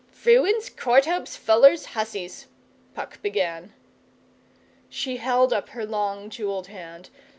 'Frewens, Courthopes, Fullers, Husseys,' Puck began. She held up her long jewelled hand.